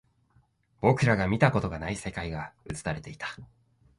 僕らが見たことがない世界が映されていた